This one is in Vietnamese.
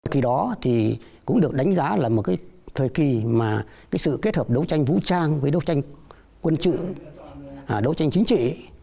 khi đó thì cũng được đánh giá là một cái thời kỳ mà cái sự kết hợp đấu tranh vũ trang với đấu tranh quân trự đấu tranh chính trị